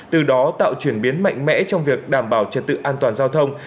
từ đó tạo chuyển biến mạnh mẽ trong việc đảm bảo trật tự an toàn giao thông